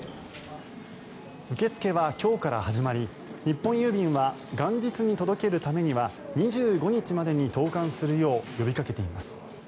受け付けは今日から始まり日本郵便は元日に届けるためには２５日までに投函するよう呼びかけています。